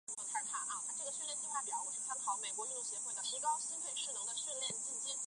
今年香港短途锦标的香港代表包括今季扫下两场分级赛的安畋。